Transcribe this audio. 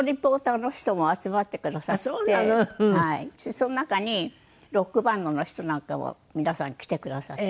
その中にロックバンドの人なんかも皆さん来てくださって。